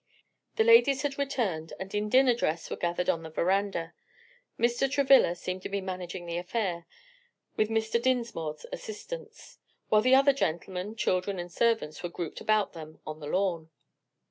The ladies had returned and in dinner dress were gathered on the veranda. Mr. Travilla seemed to be managing the affair, with Mr. Dinsmore's assistance, while the other gentlemen, children and servants, were grouped about them on the lawn.